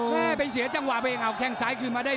แม่ไปเสียจังหวะไปเองเอาแข้งซ้ายคืนมาได้